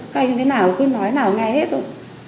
hay như thế nào cứ nói nào nghe hết thôi